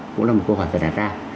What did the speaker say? cũng là một câu hỏi phải đặt ra